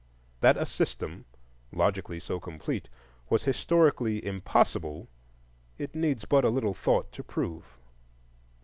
That a system logically so complete was historically impossible, it needs but a little thought to prove.